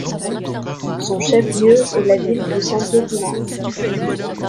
Son chef-lieu est la ville de Santo Tomás.